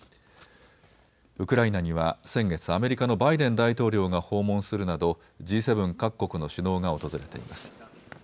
ウクライナには先月、アメリカのバイデン大統領が訪問するなどＧ７各国の首脳が訪れています。